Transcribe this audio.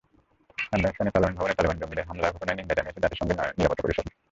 আফগানিস্তানের পার্লামেন্ট ভবনে তালেবান জঙ্গিদের হামলার ঘটনার নিন্দা জানিয়েছে জাতিসংঘের নিরাপত্তা পরিষদ।